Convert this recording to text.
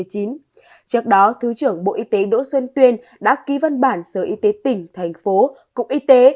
trước đó thứ trưởng bộ y tế đỗ xuân tuyên đã ký văn bản sở y tế tỉnh thành phố cục y tế